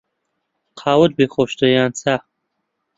قاوەت پێ خۆشترە یان چا؟